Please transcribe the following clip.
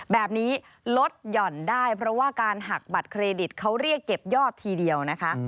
แบบนี้ลดหย่อนได้เพราะว่าการหักบัตรเครดิตเขาเรียกเก็บยอดทีเดียวนะคะ